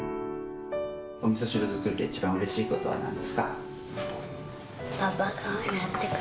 おみそ汁作りで一番うれしいことは何ですか？